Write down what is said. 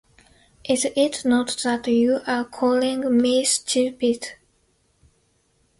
Is it not that you are calling me stupid?